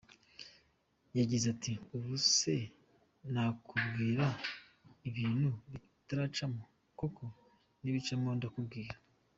Yagize ati “Ubu se nakubwira ibintu bitaracamo koko? Nibicamo ndakubwira.